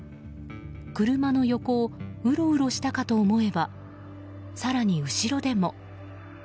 車の横をうろうろしたかと思えば更に後ろでも。